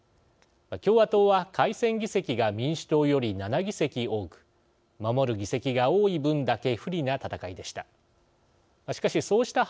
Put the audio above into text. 共和党は改選議席が民主党より７議席多く守る議席が多い分だけ不利な戦いでした。